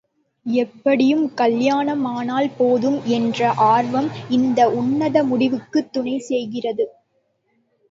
எப்படியும் கலியாணமானால் போதும் என்ற ஆர்வம் இந்த உன்னத முடிவுக்குத் துணை செய்கிறது.